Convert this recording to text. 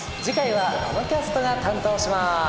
次回はこのキャストが担当します。